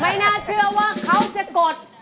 ไม่น่าเชื่อว่าเขาจะกด